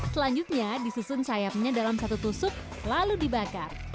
selanjutnya disusun sayapnya dalam satu tusuk lalu dibakar